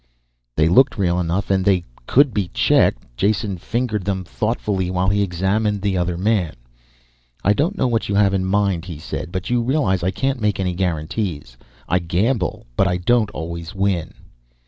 They looked real enough and they could be checked. Jason fingered them thoughtfully while he examined the other man. "I don't know what you have in mind," he said. "But you realize I can't make any guarantees. I gamble but I don't always win